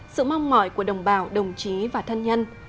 sự mong mỏi của đồng bào đồng chí và thân nhân